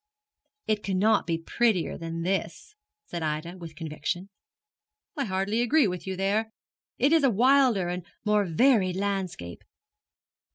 'It cannot be prettier than this,' said Ida, with conviction. 'I hardly agree with you there. It is a wilder and more varied landscape.